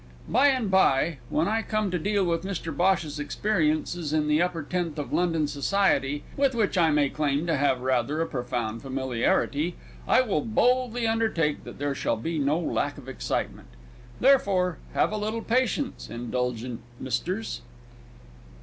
By and bye, when I come to deal with Mr Bhosh's experiences in the upper tenth of London society, with which I may claim to have rather a profound familiarity, I will boldly undertake that there shall be no lack of excitement. Therefore, have a little patience, indulgent Misters!